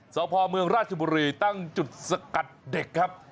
สพเมืองราชบุรีตั้งจุดสกัดเด็กครับ